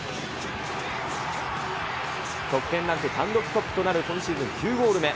得点ランク単独トップとなる今シーズン９ゴール目。